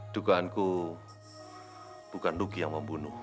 dugaanku bukan luki yang membunuh